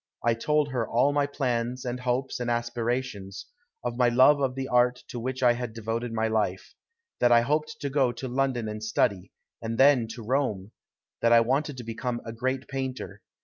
I told her all my plans and hopes and aspirations; of my love of the art to which I had devoted my life; that I hoped to go to London and study, and then to Rome; that I wanted to become a great painter.